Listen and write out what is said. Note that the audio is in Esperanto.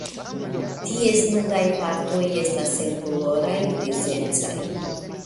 Ties nudaj partoj estas senkoloraj grizecaj.